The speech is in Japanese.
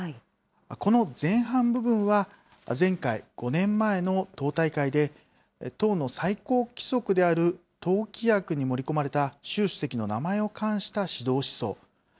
この前半部分は、前回５年前の党大会で、党の最高規則である党規約に盛り込まれた習主席の名前を冠した指導思想。